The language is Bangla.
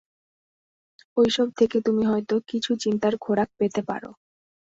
ঐসব থেকে তুমি হয়তো কিছু চিন্তার খোরাক পেতে পার।